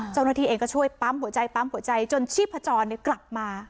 เจ้าหน้าที่เองก็ช่วยปั๊มหัวใจปั๊มหัวใจจนชีพจรกลับมา